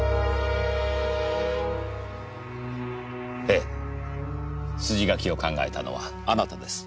ええ筋書きを考えたのはあなたです。